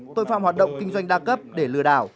tội phạm hoạt động kinh doanh đa cấp để lừa đảo